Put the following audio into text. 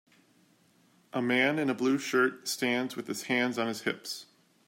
A man in a blue shirt stands with his hands on his hips.